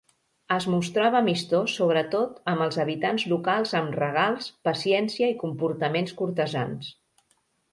Es mostrava amistós sobretot amb els habitants locals amb regals, paciència i comportaments cortesans.